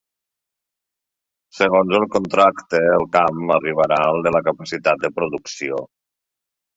Segons el contracte, el camp arribarà al de la capacitat de producció.